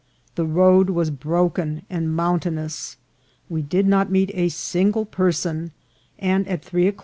The road was broken and mountain ous. We did not meet a single person, and at three GHILLON AND YOHALON.